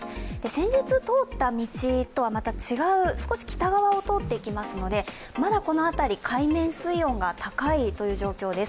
先日通った道とはまた違う少し北側を通っていきますのでまだこの辺り、海面水温が高いという状況です。